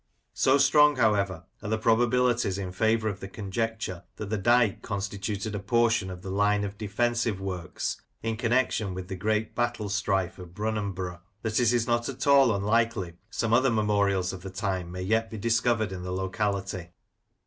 So strong, however, are the probabilities in favour of the conjecture that the Dyke constituted a portion of the line of defensive works in connection with the great battle strife of Brunanburh, that it is not at all unlikely some other memorials of the time may yet be discovered in the locality.